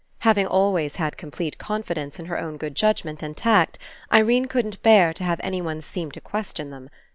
Having always had complete confidence in her own good judgment and tact, Irene couldn't bear to have anyone seem to question them.